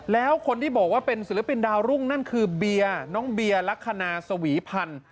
แล้วคนที่บอกว่าเป็นศิลปินดาวรุ่งนั่นคือเบียร์น้องเบียร์ลักษณะสวีพันธ์